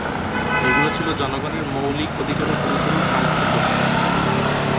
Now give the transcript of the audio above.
এগুলো ছিল জনগণের মৌলিক অধিকারের গুরুতর সংকোচন।